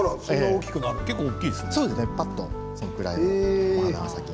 結構、大きいですね。